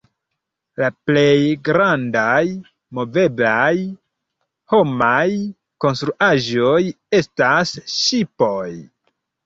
La plej grandaj moveblaj homaj konstruaĵoj estas ŝipoj.